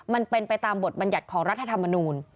มันเป็นไปตามบทบัญญัติของรัฐธรรมนูล